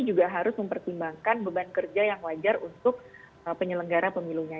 juga harus mempertimbangkan beban kerja yang wajar untuk penyelenggara pemilunya